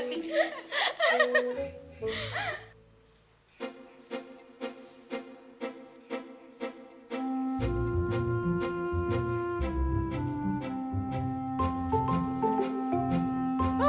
iya gak sih